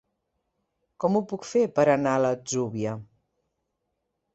Com ho puc fer per anar a l'Atzúbia?